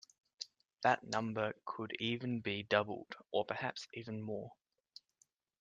That number could even be doubled or perhaps even more.